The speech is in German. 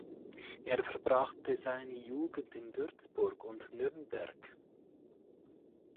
Er verbrachte seine Jugend in Würzburg und Nürnberg.